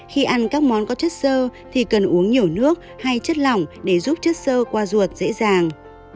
khi ăn các món có chất sơ thì cần uống nhiều nước hay chất lỏng để giúp chất sơ qua ruột dễ dàng